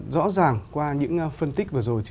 rõ ràng qua những phân tích vừa rồi